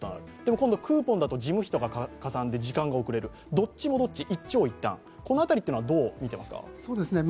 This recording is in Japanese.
今度クーポンだと事務費とかがかさんで時間が遅れる、どっちもどっち、一長一短、この辺りはどう見ていますか？